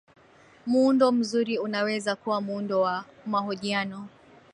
muundo mzuri unaweza kuwa muundo wa mahojiano